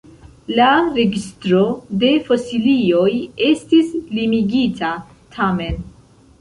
La registro de fosilioj estis limigita, tamen.